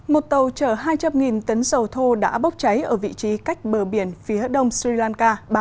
một tàu chở hai trăm linh tấn dầu thô đã bốc cháy ở vị trí cách bờ biển phía đông sri lanka